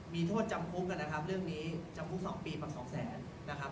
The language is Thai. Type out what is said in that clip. มีโทษจำคุกกันเรื่องนี้จำคุก๒ปีปัก๒๐๐บาท